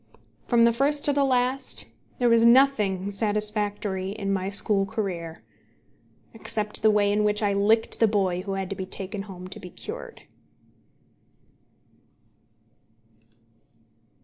From the first to the last there was nothing satisfactory in my school career, except the way in which I licked the boy who had to be taken home to be cured.